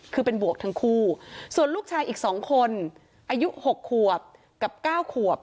คือเป็นบวกทั้งคู่ส่วนลูกชายอีก๒คนอายุ๖ขวบกับ๙ขวบ